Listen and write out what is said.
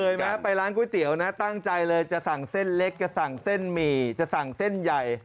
ไปร้านก๋วยเตี๋ยวนะตั้งใจเลยจะสั่งเส้นเล็กจะสั่งเส้นหมี่จะสั่งเส้นใหญ่